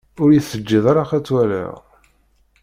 Ur yi-teǧǧiḍ ara ad tt-waliɣ.